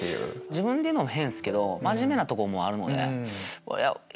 自分で言うのも変っすけど真面目なとこもあるので。